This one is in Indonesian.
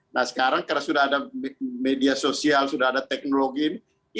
nah sekarang karena sudah ada media sosial sudah ada teknologi